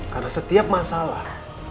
karena setiap masalah